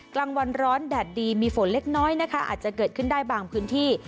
กลางวันร้อนแดดดีมีฝนเล็กน้อยนะคะอาจจะเกิดขึ้นได้บางพื้นที่